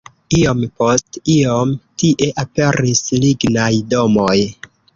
Iom post iom tie aperis lignaj domoj.